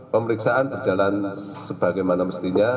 pemeriksaan berjalan sebagaimana mestinya